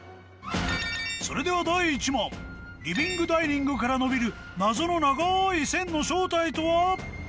それではリビングダイニングから伸びる謎の長い線の正体とは？